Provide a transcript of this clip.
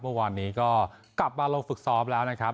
เมื่อวานนี้ก็กลับมาลงฝึกซ้อมแล้วนะครับ